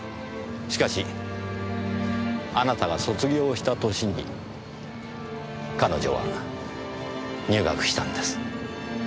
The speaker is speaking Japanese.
しかしあなたが卒業した年に彼女は入学したんです。